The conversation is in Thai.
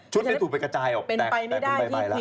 ชุดไม่ถูกไปกระจายออกแต่คุณใบละ